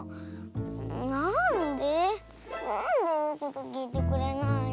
なんでなんでいうこときいてくれないの。